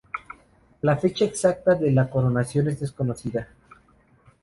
La fecha exacta de la coronación es desconocida.